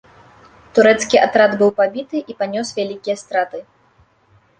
Турэцкі атрад быў пабіты і панёс вялікія страты.